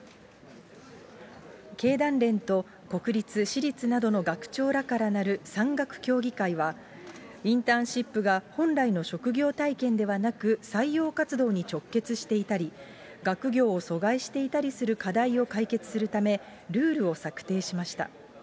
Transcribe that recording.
経団連と国立、私立などの学長らからなる産学協議会は、インターンシップが本来の職業体験ではなく、採用活動に直結していたり、学業を阻害していたりする課題を解決するため、ルールを策定しました。